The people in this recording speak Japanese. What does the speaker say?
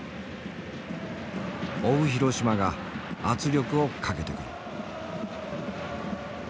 追う広島が圧力をかけてくる。